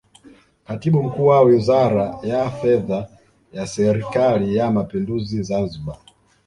Katibu Mkuu wa Wizara ya Fedha ya Serikali ya Mapinduzi Zanzibar